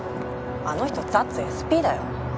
あの人ザッツＳＰだよ。